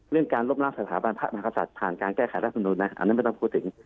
เรื่องการลบน้ำสถาบันภาคมหาศาสตร์ผ่านการแก้ไขราศนุนธรรมนี้นะอันนั้นไม่ต้องพูดถึง